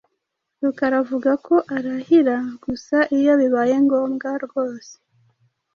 Rukara avuga ko arahira gusa iyo bibaye ngombwa rwose.